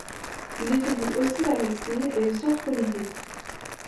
Il étudie aussi la médecine et les sciences politiques.